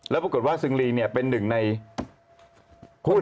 แล้วปรากฏว่าซึงรีเนี่ยเป็นหนึ่งในหุ้น